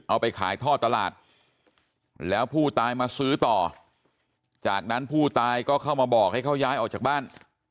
เอาไปขายท่อตลาดแล้วผู้ตายมาซื้อต่อจากนั้นผู้ตายก็เข้ามาบอกให้เขาย้ายออกจากบ้าน